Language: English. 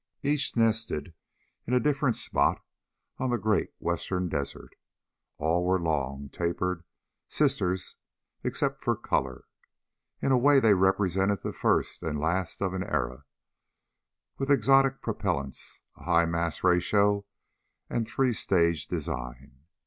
Each nested in a different spot on the great Western Desert. All were long, tapered, sisters except for color. In a way they represented the first, and last, of an era, with exotic propellants, a high mass ratio and three stage design.